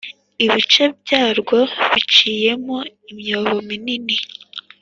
Ibice byarwo biciyemo imyobo minini